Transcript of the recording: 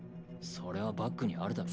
それはバッグにあるだろ？